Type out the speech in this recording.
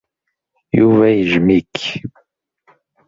Yuba yejjem-ik.